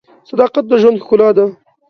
صداقت د ژوند ښکلا ده.